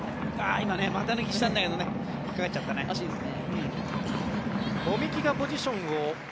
今、股抜きしたんだけど引っかかっちゃったね。